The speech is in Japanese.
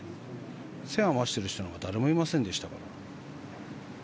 線を合わせてる人は誰もいませんでしたから。